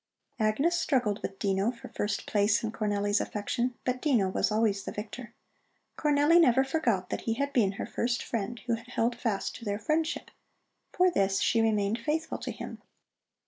Agnes struggled with Dino for first place in Cornelli's affection, but Dino was always the victor. Cornelli never forgot that he had been her first friend, who had held fast to their friendship. For this she remained faithful to him.